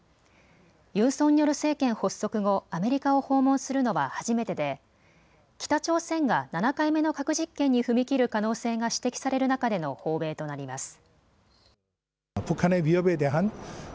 ユン・ソンニョル政権発足後、アメリカを訪問するのは初めてで北朝鮮が７回目の核実験に踏み切る可能性が指摘される中での訪米となります。